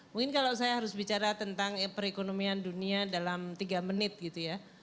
mungkin kalau saya harus bicara tentang perekonomian dunia dalam tiga menit gitu ya